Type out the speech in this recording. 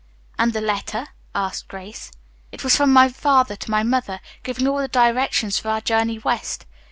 "And the letter?" asked Grace. "It was from my father to my mother, giving all the directions for our journey west.